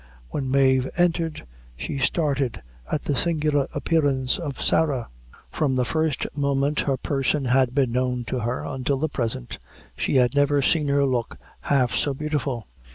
When Mave entered, she started at the singular appearance of Sarah. From the first moment her person had been known to her until the present, she had never seen her look half so beautiful.